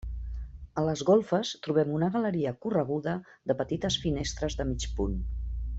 A les golfes trobem una galeria correguda de petites finestres de mig punt.